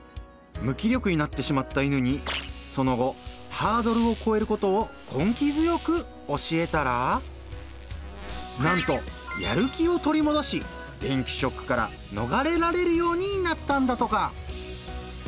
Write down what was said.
無気力になってしまった犬にその後ハードルをこえることを根気強く教えたらなんとやる気を取り戻し電気ショックからのがれられるようになったんだとか。